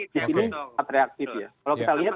jadi ini tetap reaktif ya kalau kita lihat